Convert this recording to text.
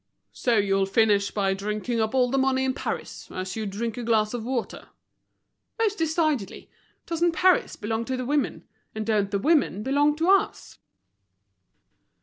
"So you'll finish by drinking up all the money in Paris, as you'd drink a glass of water?" "Most decidedly. Doesn't Paris belong to the women, and don't the women belong to us?"